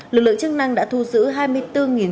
lực lượng chức năng đã thu giữ hai mươi bốn đối tượng